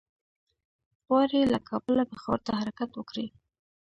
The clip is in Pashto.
غواړي له کابله پېښور ته حرکت وکړي.